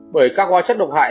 bởi các quá chất độc hại